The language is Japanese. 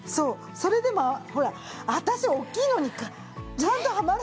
それでも私大きいのにちゃんとはまるのよ。